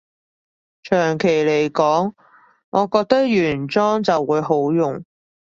長期來講，我覺得原裝就會好用